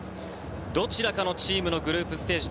どちらかのチームのグループステージ